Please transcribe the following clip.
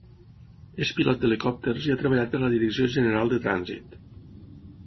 És pilot d'helicòpters i ha treballat per a la Direcció General de Trànsit.